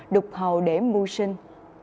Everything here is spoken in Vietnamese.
đục hầu để mua sinh